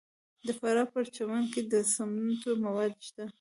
د فراه په پرچمن کې د سمنټو مواد شته.